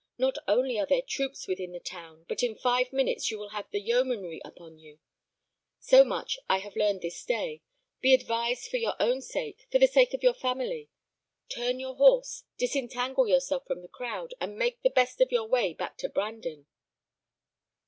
"Not only are there troops within the town, but in five minutes you will have the yeomanry upon you. So much have I learned this day. Be advised for your own sake, for the sake of your family. Turn your horse, disentangle yourself from the crowd, and make the best of your way back to Brandon."